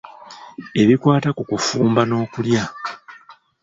Ebikwata ku kufumba n’okulya.